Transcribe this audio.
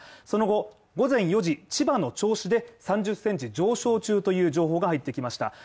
その後、午前４時千葉の銚子で３０センチ上昇中という情報が入ってきました。